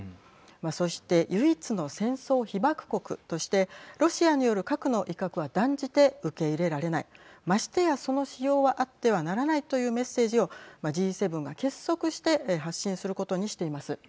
そして唯一の戦争被爆国としてロシアによる核の威嚇は断じて受け入れられないましてやその使用はあってはならないというメッセージをＧ７が結束して発信することにしています。